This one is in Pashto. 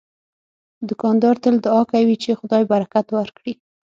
دوکاندار تل دعا کوي چې خدای برکت ورکړي.